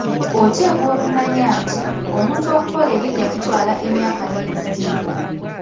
Oteekwa okumanya nti, omuntu okukola erinnya kitwala emyaka n'ebisiibo.